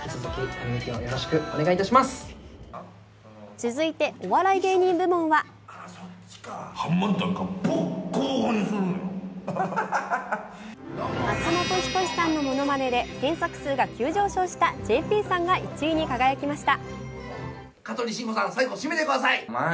続いてお笑い芸人部門は松本人志さんのものまねで検索数が急上昇したＪＰさんが１位に輝きました。